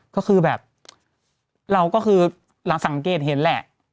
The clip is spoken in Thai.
ก็คือแบบเราก็คือสังเกตเห็นแหละ